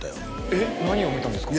えっ何を見たんですか？